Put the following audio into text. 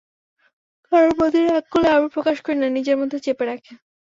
কারও প্রতি রাগ করলে আমি প্রকাশ করি না, নিজের মধ্যে চেপে রাখি।